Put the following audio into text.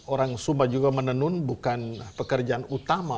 orang sumba juga menenun bukan pekerjaan utama